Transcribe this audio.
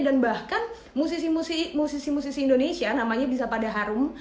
dan bahkan musisi musisi indonesia namanya bisa pada harum